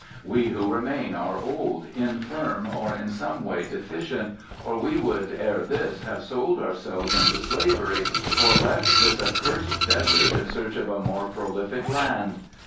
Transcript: "We who remain are old, infirm, or in some way deficient, or we would ere this have sold ourselves into slavery or left this accursed desert in search of a more prolific land.